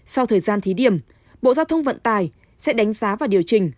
sau thời gian thí điểm bộ giao thông vận tải sẽ đánh giá và điều chỉnh